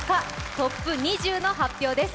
トップ２０の発表です。